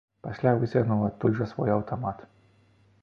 Пасля выцягнуў адтуль жа свой аўтамат.